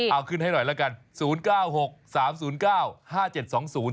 เอาขึ้นให้หน่อยละกัน